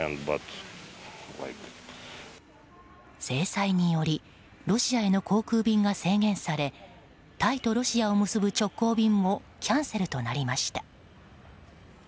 制裁によりロシアへの航空便が制限されタイとロシアを結ぶ直行便もキャンセルとなりました。